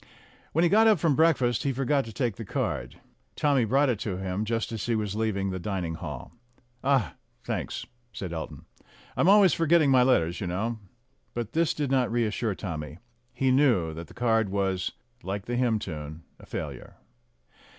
When he got up from breakfast he forgot to take the card. Tommy brought it to him just as he was leaving the dining hall. "Ah, thanks!" said Elton. "I'm always forgetting my letters, you know." But this did not reassure Tommy; he knew that the card was, like the hymn tune, a failure.